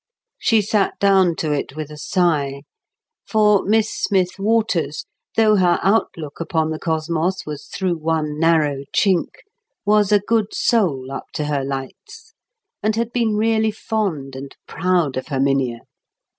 She sat down to it with a sigh; for Miss Smith Waters, though her outlook upon the cosmos was through one narrow chink, was a good soul up to her lights, and had been really fond and proud of Herminia.